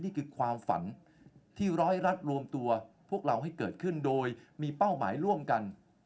นี่คือความฝันที่ร้อยรัฐรวมตัวพวกเราให้เกิดขึ้นโดยมีเป้าหมายร่วมกัน